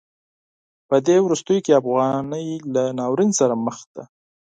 په دې وروستیو کې افغانۍ له ناورین سره مخ ده.